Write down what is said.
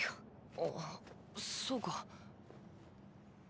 あそうか。